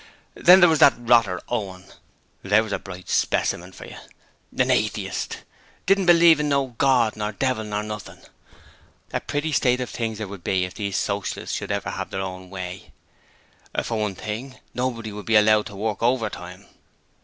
Then there was that rotter Owen; there was a bright specimen for yer! An Atheist! didn't believe in no God or Devil or nothing else. A pretty state of things there would be if these Socialists could have their own way: for one thing, nobody would be allowed to work overtime!